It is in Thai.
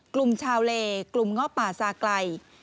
กลุ่มชาวเลกลุ่มเงาะป่าซาไกล